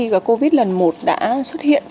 sau khi covid lần một đã xuất hiện